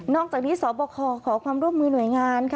อกจากนี้สบคขอความร่วมมือหน่วยงานค่ะ